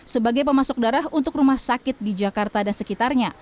sebagai pemasok darah untuk rumah sakit di jakarta dan sekitarnya